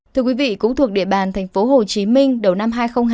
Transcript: thưa quý vị cũng thuộc địa bàn thành phố hồ chí minh đầu năm hai nghìn hai mươi ba